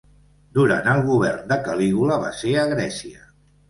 Durant el govern de Calígula va ser a Grècia.